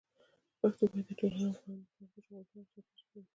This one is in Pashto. پښتو باید د ټولو افغانانو لپاره د ژغورنې او ساتنې ژبه وي.